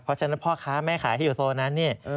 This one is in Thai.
เพราะฉะนั้นพ่อค้าแม่ขายที่อยู่โซนนั้นเนี่ย